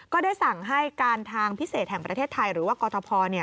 ก็ได้สั่งให้การทางพิเศษแห่งประเทศไทยหรือว่ากอทพ